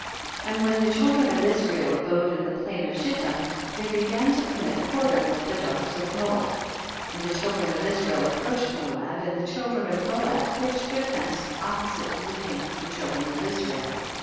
52. And when the children of Is rael abode in the plain of Shittim, they began to commit whoredom with the daughters of Moab, 53. And the children of Israel ap proached Moab, and the children of Moab pitched their tents opposite to the camp of the children of Israel.